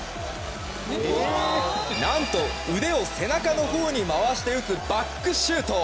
何と、腕を背中のほうに回して打つバックシュート！